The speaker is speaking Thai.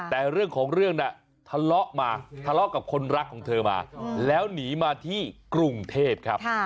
แต่เรื่องของเรื่องน่ะทะเลาะมาทะเลาะกับคนรักของเธอมาแล้วหนีมาที่กรุงเทพครับ